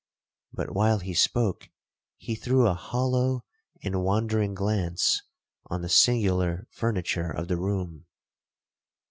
'—But while he spoke, he threw a hollow and wandering glance on the singular furniture of the room.